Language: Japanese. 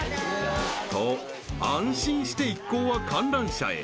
［と安心して一行は観覧車へ］